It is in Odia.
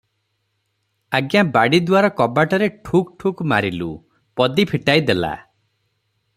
"ଆଜ୍ଞା ବାଡିଦୁଆର କବାଟରେ ଠୁକ୍ ଠୁକ୍ ମାରିଲୁ, ପଦୀ ଫିଟାଇ ଦେଲା ।"